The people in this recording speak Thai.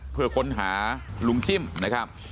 เพื่อค้นหาลุงจิ้มนะครับ